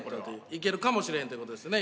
行けるかもしれへんってことですね